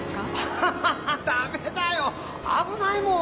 ハハハダメだよ危ないもん。